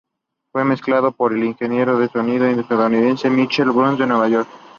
Fue mezclado por el ingeniero de sonido estadounidense Michael Brauer en Nueva York.